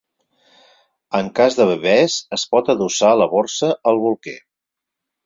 En cas de bebès es pot adossar la borsa al bolquer.